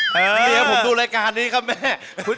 เหลียวผมดูรายการนี้ค่ะแม่